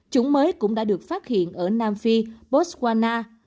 chủng mới cũng đã được phát hiện ở nam phi botswana